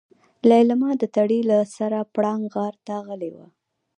ليلما د تړې له سره پړانګ غار ته غلې وه.